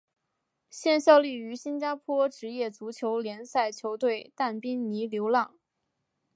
现效力于新加坡职业足球联赛球队淡滨尼流浪。